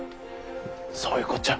そういうこっちゃ。